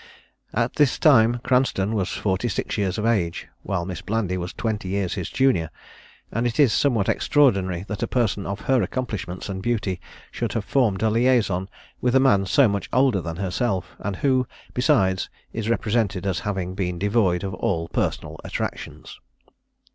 At this time Cranstoun was forty six years of age, while Miss Blandy was twenty years his junior; and it is somewhat extraordinary that a person of her accomplishments and beauty should have formed a liaison with a man so much older than herself, and who, besides, is represented as having been devoid of all personal attractions.